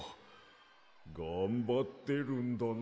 がんばってるんだな。